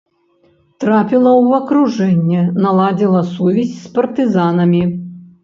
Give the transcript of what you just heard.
Трапіла ў акружэнне, наладзіла сувязь з партызанамі.